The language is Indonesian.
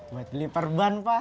buat liper ban pak